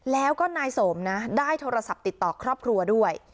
แล้วก็นายสมนะได้โทรศัพท์ติดต่อครอบครัวด้วย